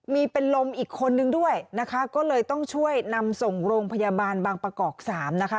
มีเป็นลมอีกคนนึงด้วยนะคะก็เลยต้องช่วยนำส่งโรงพยาบาลบางประกอบสามนะคะ